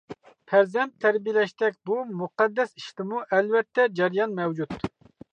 پەرزەنت تەربىيەلەشتەك بۇ مۇقەددەس ئىشتىمۇ ئەلۋەتتە جەريان مەۋجۇت.